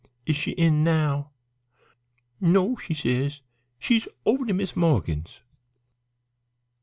'Is she in now?' "'No,' she says, 'she's over to Mis' Morgan's.'